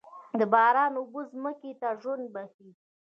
د باران اوبه ځمکې ته ژوند بښي.